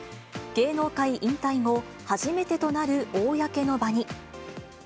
芸能界引退後、初めてとなる公の場に。